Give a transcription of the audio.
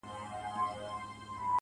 سیاه پوسي ده، خاوري مي ژوند سه,